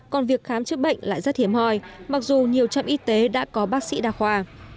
còn việc khám chữa bệnh lại rất hiếm hoi mặc dù nhiều trạm y tế đã có bác sĩ đa khoa